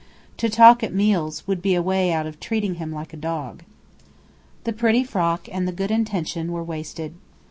To talk at meals would be a way out of "treating him like a dog." The pretty frock and the good intention were wasted.